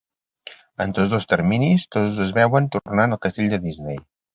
En tots dos terminis, tots es veuen tornant al Castell de Disney.